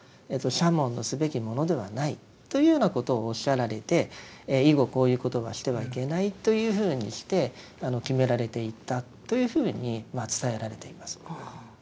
沙門のすべきものではないというようなことをおっしゃられて以後こういうことはしてはいけないというふうにして決められていったというふうに伝えられています。